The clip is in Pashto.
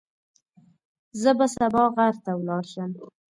زه به سبا غر ته ولاړ شم.